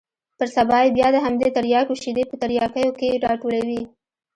پر سبا يې بيا د همدې ترياکو شېدې په ترياكيو کښې راټولولې.